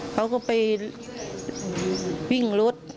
เขาก็ไปวิ่งรถ